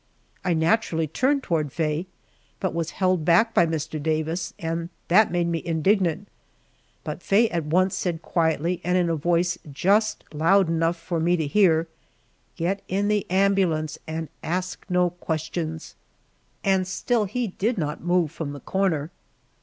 I naturally turned toward Faye, but was held back by Mr. Davis, and that made me indignant, but Faye at once said quietly and in a voice just loud enough for me to hear, "Get in the ambulance and ask no questions!" And still he did not move from the corner.